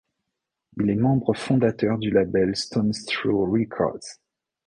Il est membre-fondateur du label Stones Throw Records.